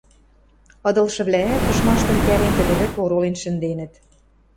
Ыдылшывлӓӓт, ышмаштым кӓрен, тӹдӹ вӹкӹ оролен шӹнденӹт.